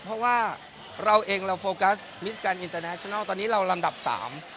เพราะว่าเราเองเราโฟกัสมิสแกนอินเตอร์แนชนัลตอนนี้เราลำดับสาม